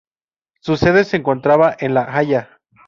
Su sede se encontraba en La Haya.